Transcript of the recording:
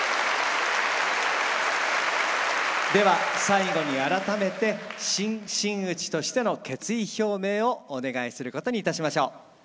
では最後に改めて新真打としての決意表明をお願いすることにいたしましょう。